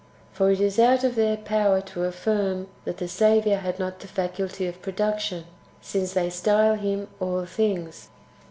For it is out of their power to affirm that the Saviour had not the faculty of production, since they style Him All Things.